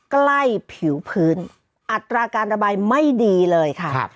ใกล้ผิวพื้นอัตราการระบายไม่ดีเลยค่ะครับ